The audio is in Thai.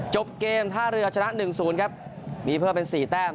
จบเกมท่าเรือชนะหนึ่งศูนย์ครับมีเพิ่มเป็นสี่แต้ม